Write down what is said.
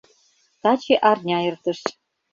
Таче арня эртыш.